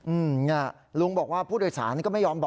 ทีนี้ก็ต้องตามหาชายที่ลวนลามผู้โดยสารหญิงคนนี้นะครับ